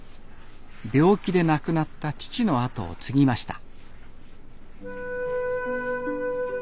病気で亡くなった父の後を継ぎました。